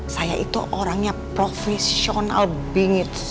saya itu orangnya profesional bengits